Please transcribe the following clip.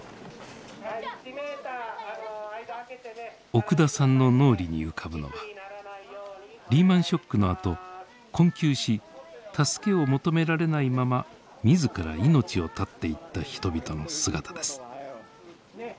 奥田さんの脳裏に浮かぶのはリーマンショックのあと困窮し助けを求められないまま自ら命を絶っていった人々の姿です。